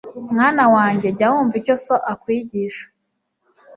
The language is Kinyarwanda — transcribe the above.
Mwana wanjye jya wumva icyo so akwigisha